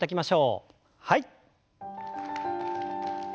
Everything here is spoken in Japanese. はい。